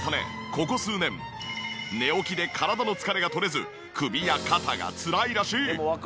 ここ数年寝起きで体の疲れが取れず首や肩がつらいらしい。